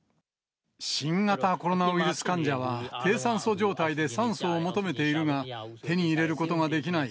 新型コロナウイルス患者は、低酸素状態で酸素を求めているが、手に入れることができない。